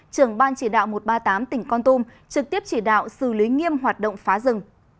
trưởng ban chỉ đạo một trăm ba mươi tám tỉnh con tum trực tiếp chỉ đạo xử lý nghiêm hoạt động phá rừng